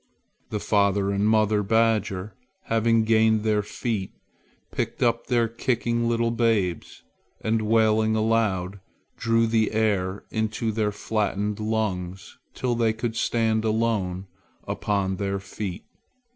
The father and mother badger, having gained their feet, picked up their kicking little babes, and, wailing aloud, drew the air into their flattened lungs till they could stand alone upon their feet.